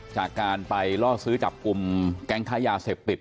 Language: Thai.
จากการไปล่อซื้อจับกลุ่มแก๊งค้ายาเสพติด